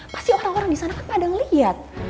pasti orang orang disana kan pada ngeliat